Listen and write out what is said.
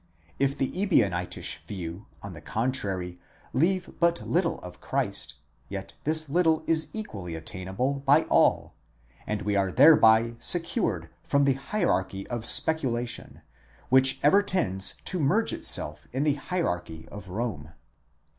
If the Ebionitish view, on the contrary, leave but little of Christ, yet this little is equally attainable by all, and we are thereby secured from the hierarchy of speculation, which ever tends to merge itself in the hierarchy of Rome.